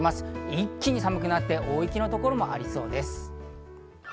一気に寒くなって大雪のところもありそうです。